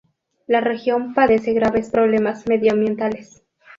La región padece graves problemas medioambientales.